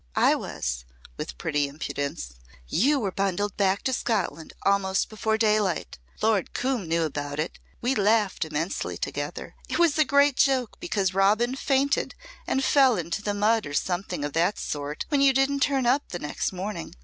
"I was," with pretty impudence. "You were bundled back to Scotland almost before daylight. Lord Coombe knew about it. We laughed immensely together. It was a great joke because Robin fainted and fell into the mud, or something of the sort, when you didn't turn up the next morning.